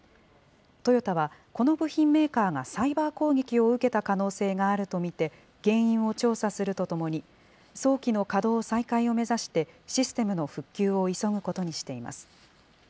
トヨタはこの部品メーカーがサイバー攻撃を受けた可能性があると見て、原因を調査するとともに、早期の稼働再開を目指して、システムの復旧を急ぐことにしています。